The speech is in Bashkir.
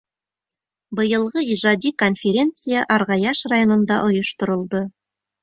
Быйылғы ижади конференция Арғаяш районында ойошторолдо.